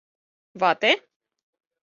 — Вате?..